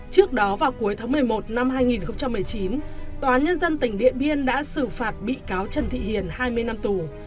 trước đó vào cuối tháng một mươi một năm hai nghìn một mươi chín tòa án nhân dân tỉnh điện biên đã xử phạt bị cáo trần thị hiền hai mươi năm tù